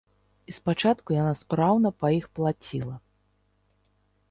І спачатку яна спраўна па іх плаціла.